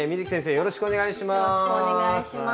よろしくお願いします。